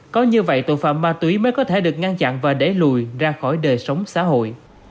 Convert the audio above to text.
có như vậy tội phạm ma túy mới có thể được ngăn chặn và đẩy lùi ra khỏi đời sống xã hội